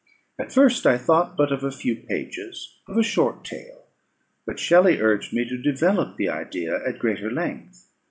At first I thought but of a few pages of a short tale; but Shelley urged me to develope the idea at greater length.